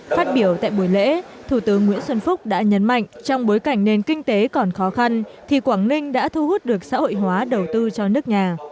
phát biểu tại buổi lễ thủ tướng nguyễn xuân phúc đã nhấn mạnh trong bối cảnh nền kinh tế còn khó khăn thì quảng ninh đã thu hút được xã hội hóa đầu tư cho nước nhà